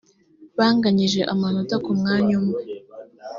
banganyije amanota ku mwanya umwe